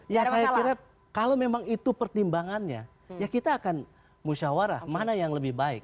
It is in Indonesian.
ya saya kira kalau memang itu pertimbangannya ya kita akan musyawarah mana yang lebih baik